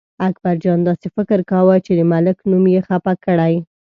اکبرجان داسې فکر کاوه چې د ملک نوم یې خپه کړی.